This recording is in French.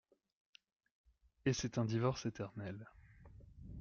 Et c'est un divorce éternel.